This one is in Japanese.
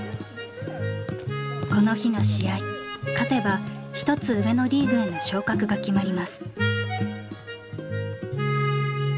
この日の試合勝てば一つ上のリーグへの昇格が決まります。